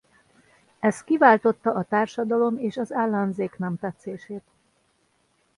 Ez kiváltotta a társadalom és az ellenzék nemtetszését.